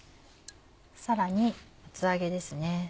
さらに厚揚げです。